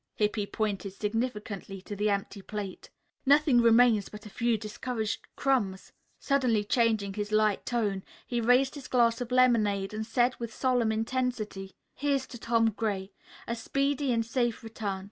Hippy pointed significantly to the empty plate. "Nothing remains but a few discouraged crumbs." Suddenly changing his light tone, he raised his glass of lemonade and said with solemn intensity: "Here's to Tom Gray; a speedy and safe return.